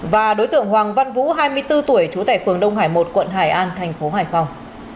và đối tượng hoàng văn vũ hai mươi bốn tuổi trú tại phường đông hải một quận hải an thành phố hải phòng